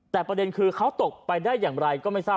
แต่ประเด็นคือเขาตกไปได้อย่างไรก็ไม่ทราบ